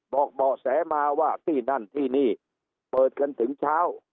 บอกเบาะแสมาว่าที่นั่นที่นี่เปิดกันถึงเช้า